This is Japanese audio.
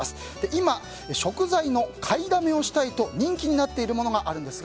今、食材の買いだめをしたいと人気になっているものがあります。